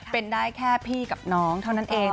เป็นได้แค่พี่กับน้องเท่านั้นเอง